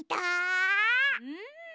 うん。